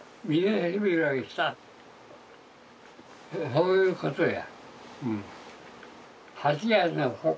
そういうことや。